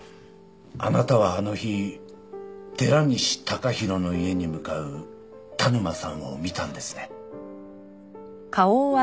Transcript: あなたはあの日寺西高広の家に向かう田沼さんを見たんですね？